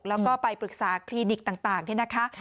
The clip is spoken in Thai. แล้วก็ไปปรึกษาคลินิกต่างนี่นะคะ